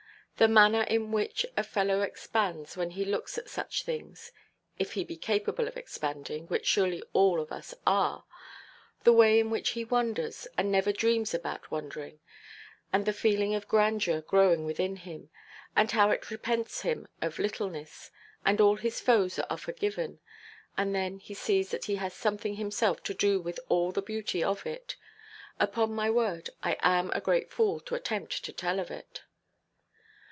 The manner in which a fellow expands, when he looks at such things—if he be capable of expanding, which surely all of us are—the way in which he wonders, and never dreams about wondering, and the feeling of grandeur growing within him, and how it repents him of littleness, and all his foes are forgiven; and then he sees that he has something himself to do with all the beauty of it—upon my word, I am a great fool, to attempt to tell of it.